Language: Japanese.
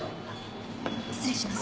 失礼します。